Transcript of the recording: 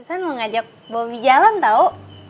susan mau ngajak bobby jalan tau